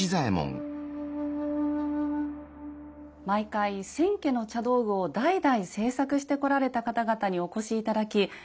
毎回千家の茶道具を代々制作してこられた方々にお越し頂き